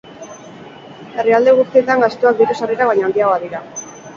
Herrialde guztietan gastuak diru-sarrerak baino handiagoak dira.